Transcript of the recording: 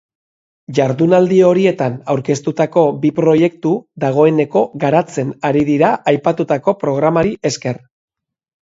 Jardunaldi horietan aurkeztutako bi proiektu dagoeneko garatzen ari dira aipatutako programari esker.